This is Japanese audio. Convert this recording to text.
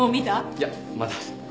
いやまだ。